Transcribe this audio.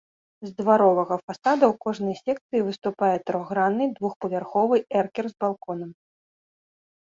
З дваровага фасада ў кожнай секцыі выступае трохгранны двухпавярховы эркер з балконам.